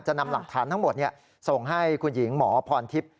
นำหลักฐานทั้งหมดส่งให้คุณหญิงหมอพรทิพย์